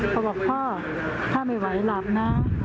เขาบอกพ่อถ้าไม่ไหวหลับนะ